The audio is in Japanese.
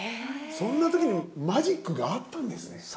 そんな時にマジックがあったんですね。